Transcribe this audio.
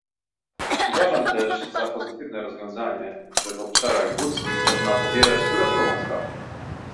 Uważam też za pozytywne rozwiązanie, że w obszarach górskich można pobierać dodatkową stawkę